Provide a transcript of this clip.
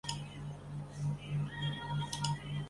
乾隆五十九年任湖南乡试副考官。